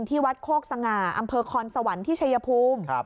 ที่วัดโครกสงะอำเภาครสวรรค์ที่ชายพุม